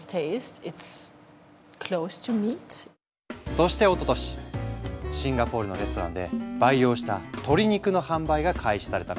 そしておととしシンガポールのレストランで培養した鶏肉の販売が開始されたの。